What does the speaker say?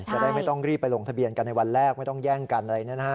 จะได้ไม่ต้องรีบไปลงทะเบียนกันในวันแรกไม่ต้องแย่งกันอะไรนะฮะ